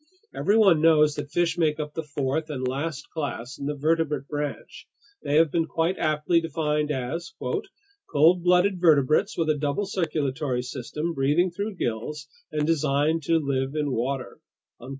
Everyone knows that fish make up the fourth and last class in the vertebrate branch. They have been quite aptly defined as: "cold blooded vertebrates with a double circulatory system, breathing through gills, and designed to live in water."